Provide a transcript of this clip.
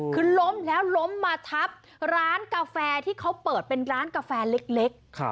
คือล้มแล้วล้มมาทับร้านกาแฟที่เขาเปิดเป็นร้านกาแฟเล็ก